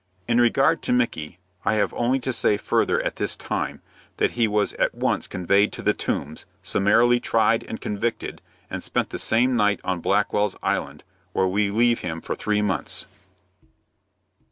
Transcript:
In regard to Micky, I have only to say further at this time, that he was at once conveyed to the Tombs, summarily tried and convicted, and spent the same night on Blackwell's Island, where we leave him for three months.